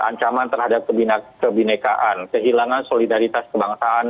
ancaman terhadap kebinekaan kehilangan solidaritas kebangsaan